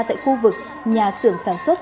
tại khu vực nhà xưởng sản xuất